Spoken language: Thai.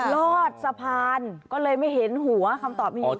รอดสะพานก็เลยไม่เห็นหัวคำตอบมีอยู่แค่นี้